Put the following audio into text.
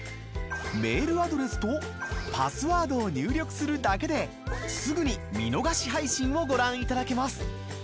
メールアドレスとパスワードを入力するだけですぐに見逃し配信をご覧いただけます。